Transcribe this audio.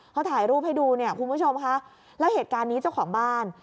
เขาถ่ายรูปให้ดูเนี่ยคุณผู้ชมค่ะแล้วเหตุการณ์นี้เจ้าของบ้าน